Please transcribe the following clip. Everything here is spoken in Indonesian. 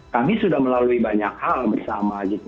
kami sudah melalui banyak hal bersama gitu